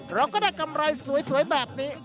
เราก็ได้กำไรสวยแบบนี้